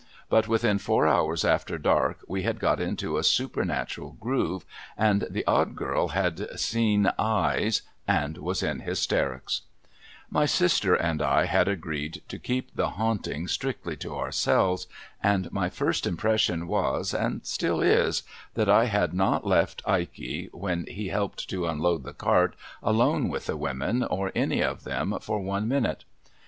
But within four hours after dark wc had got into a supernatural groove, and the Odd Girl had seen ' Eyes,' and was in hysterics, ^ly sister and I had agreed to keep the haunting strictly to our selves, and my first impression was, and still is, that I had not left Ikey, when he helped to unload the cart, alone with the women, or any one of them, for one minute.